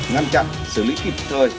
ngăn chặn xử lý kịp thời